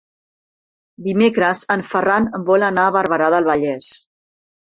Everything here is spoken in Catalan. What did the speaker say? Dimecres en Ferran vol anar a Barberà del Vallès.